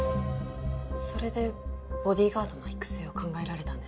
それでボディーガードの育成を考えられたんですか？